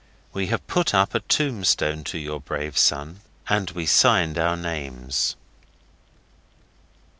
We have put up a tombstone to your brave son. And we signed our names.